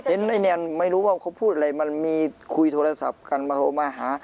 ไอ้แนนไม่รู้ว่าเขาพูดอะไรมันมีคุยโทรศัพท์กันมาโทรมาหา